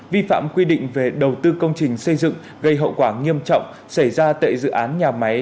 vi phạm quy định về đầu tư công trình xây dựng gây hậu quả nghiêm trọng xảy ra tại dự án nhà máy